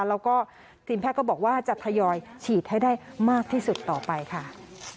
แล้วก็ทีมแพทย์ก็บอกว่าจะทยอยฉีดให้ได้มากที่สุดต่อไปค่ะ